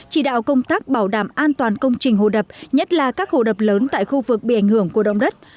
chỉ đạo công tác bảo đảm an toàn công trình hồ đập nhất là các hồ đập lớn tại khu vực bị ảnh hưởng của động đất